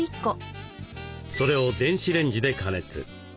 それを電子レンジで加熱。